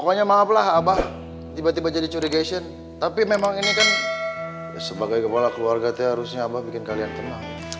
ya pokoknya maaf lah abah tiba tiba jadi curigaishen tapi memang ini kan sebagai kepala keluarga teh harusnya abah bikin kalian tenang